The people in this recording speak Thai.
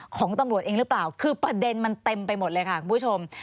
ของตำรวจเองหรือเปล่าคือประเด็นมันเต็มไปหมดเลยค่ะคุณผู้ชม